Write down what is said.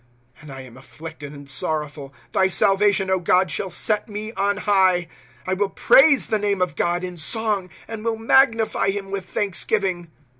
^® And I am afflicted and sorrowful ; Thy salvation, God, shall set me on high. '° I will praise the name of God in song, And will magnify him with thanksgiving.